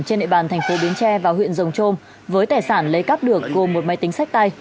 trên nệ bàn tp bến tre vào huyện rồng trôm với tài sản lấy cắp được gồm một máy tính sách tay